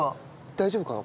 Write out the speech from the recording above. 大丈夫かな？